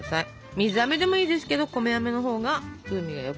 水あめでもいいですけど米あめのほうが風味がよくなります。